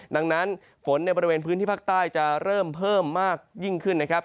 ดังนั้นฝนในบริเวณพื้นที่ภาคใต้จะเริ่มเพิ่มมากยิ่งขึ้นนะครับ